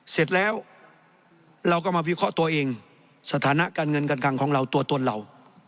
เสร็จแล้วเราก็มาวิเคราะห์ตัวเองสถานะการเงินการคังของเราตัวตนเรา